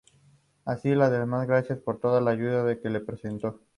Así le da las gracias por toda la ayuda que le prestó.